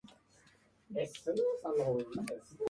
子守唄の心地よさ